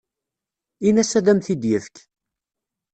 Ini-as ad am-t-id-yefk.